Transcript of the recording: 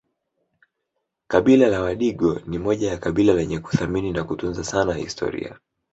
Kabila la wadigo ni moja ya kabila lenye kuthamini na kutunza sana historia